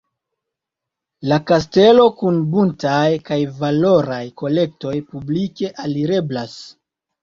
La kastelo kun buntaj kaj valoraj kolektoj publike alireblas.